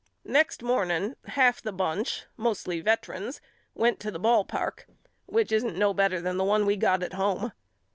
Next morning half the bunch mostly vetrans went to the ball park which isn't no better than the one we got at home.